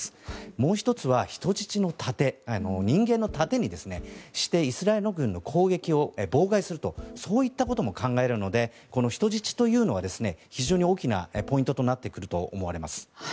もう一つは人質の盾人間の盾にしてイスラエル軍の攻撃を妨害するとそういったことも考えるのでこの人質というのはですね非常に大きなポイントとなってくると思われます。